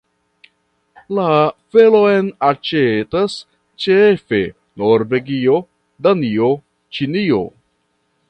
La felon aĉetas ĉefe Norvegio, Danio, Ĉinio.